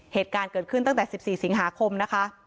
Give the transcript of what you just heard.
เหตุการณ์เกิดขึ้นตั้งแต่๑๔สิงหาคมนะคะ